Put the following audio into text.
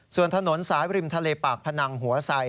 ส่วนถนนสายบริมทะเลปากพนังหัวไส